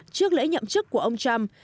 trước lễ nhậm chức của ông trump